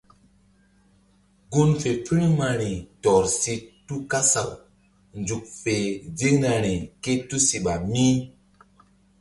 Gun fe firmari tɔr si tu kasaw nzuk fe ziŋnari ké tusiɓa mí.